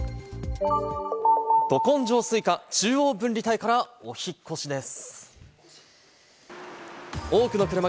ど根性スイカ、中央分離帯からお引っ越しです。